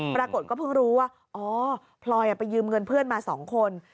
ปรากฏก็เพิ่งรู้ว่าอ๋อพลอยไปยืมเงินเพื่อนมา๒คน